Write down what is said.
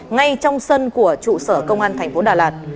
ngay trong sân của trụ sở công an tp đà lạt